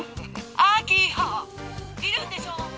明葉いるんでしょ？